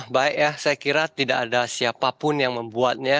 baik ya saya kira tidak ada siapapun yang membuatnya